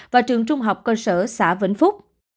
và trường trung học cơ sở xã vĩnh phúc